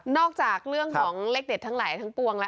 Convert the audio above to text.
จากเรื่องของเลขเด็ดทั้งหลายทั้งปวงแล้ว